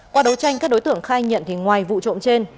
qua đấu tranh các đối tượng khai nhận thì ngoài vụ trộm trên